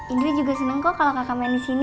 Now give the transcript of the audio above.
indri juga senang kok kalau kakak main di sini